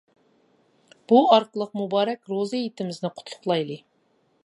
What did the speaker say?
بۇ ئارقىلىق مۇبارەك روزا ھېيتىمىزنى قۇتلۇقلايلى!